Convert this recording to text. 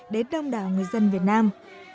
đến đông đảo người dân việt nam